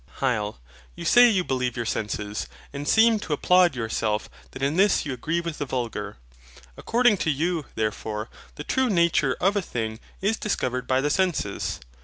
HYL. You say you believe your senses; and seem to applaud yourself that in this you agree with the vulgar. According to you, therefore, the true nature of a thing is discovered by the senses.